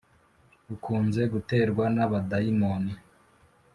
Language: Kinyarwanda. ukunze guterwa n’abadayimoni